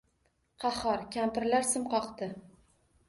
Qahhor, Kampirlar sim qoqdi